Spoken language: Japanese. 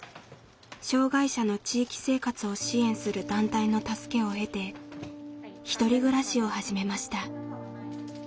障害者の地域生活を支援する団体の助けを得て１人暮らしを始めました。